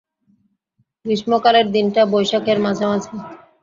গ্রীষ্মকালের দিনটা, বৈশাখের মাঝামাঝি।